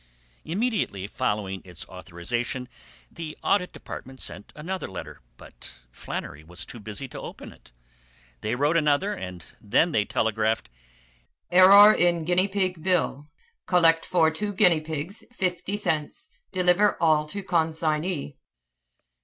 Immediately following its authorization the Audit Department sent another letter, but Flannery was too busy to open it. They wrote another and then they telegraphed: "Error in guinea pig bill. Collect for two guinea pigs, fifty cents. Deliver all to consignee."